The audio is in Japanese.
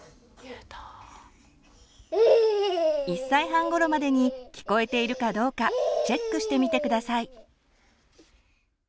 １歳半ごろまでに聞こえているかどうかチェックしてみて下さい。